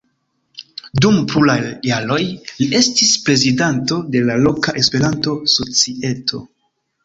Dum pluraj jaroj li estis prezidanto de la loka Esperanto-societo.